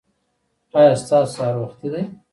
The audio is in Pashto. ایا ستاسو سهار وختي دی؟